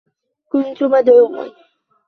كنت مدعوا